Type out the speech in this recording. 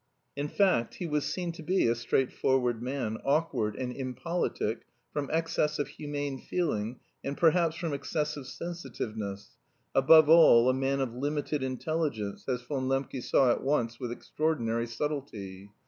In fact, he was seen to be a straightforward man, awkward and impolitic from excess of humane feeling and perhaps from excessive sensitiveness above all, a man of limited intelligence, as Von Lembke saw at once with extraordinary subtlety.